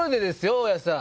大家さん。